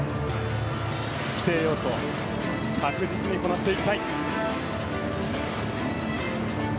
規定要素確実にこなしていきたい。